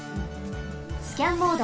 スキャンモード。